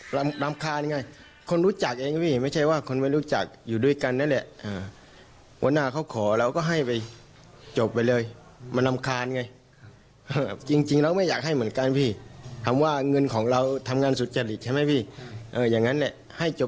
พวกเรา๘๑ถัวครู่แล้วโมเคติตสมมุติว่า๖๗๘พันบาทก็ว่าไปยังไง